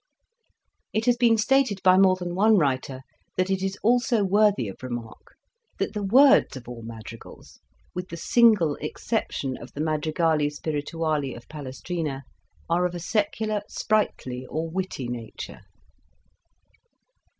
It has been stated by more than one writer, that it is also worthy of remark that the words of all madrigals, with the single exception of the '' Madrigali Spirituali " of Palestrina, are of a secular, sprightly, or witty nature.